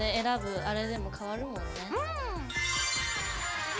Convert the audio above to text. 選ぶあれでも変わるもんね。